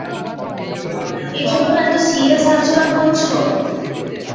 এজন্য এত সিরিয়াস আচরণ করছ?